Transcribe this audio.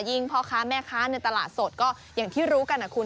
พ่อค้าแม่ค้าในตลาดสดก็อย่างที่รู้กันนะคุณ